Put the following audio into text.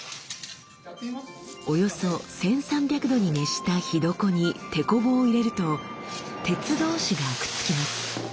およそ１，３００度に熱した火床にテコ棒を入れると鉄同士がくっつきます。